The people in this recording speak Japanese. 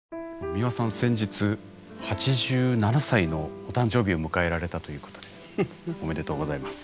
美輪さん先日８７歳のお誕生日を迎えられたということでおめでとうございます。